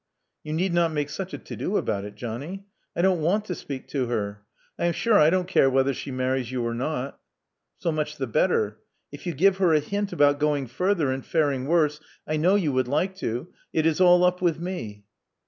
*'You need not make such a to do about it, Johnny. I don't want to speak to her. I am sure I don't care whether she marries you or not" So much the better. If you give her a hint about going further and faring worse — I know you would like to — it is all up with me.